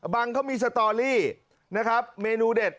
เขามีสตอรี่นะครับเมนูเด็ด